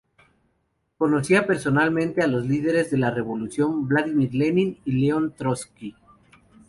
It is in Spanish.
Conocía personalmente a los líderes de la revolución Vladimir Lenin y León Trotsky.